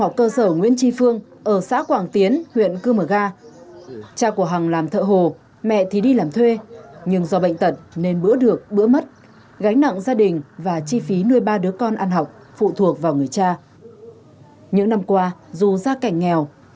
hãy đăng ký kênh để nhận thêm nhiều video mới nhé